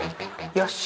よし！